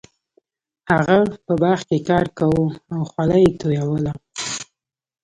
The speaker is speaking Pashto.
هغه په باغ کې کار کاوه او خوله یې تویوله.